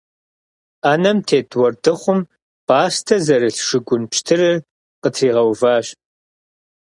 Ӏэнэм тет уэрдыхъум пӏастэ зэрылъ шыгун пщтырыр къытригъэуващ.